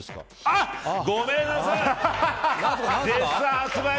あっ、ごめんなさい。